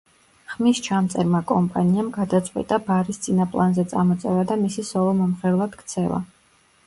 ხმის ჩამწერმა კომპანიამ გადაწყვიტა, ბარის წინა პლანზე წამოწევა და მისი სოლო მომღერლად ქცევა.